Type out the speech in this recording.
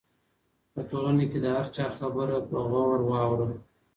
په ټولنه کې د هر چا خبره په غور واوره.